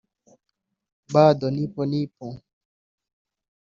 ‘Bado Nipo Nipo’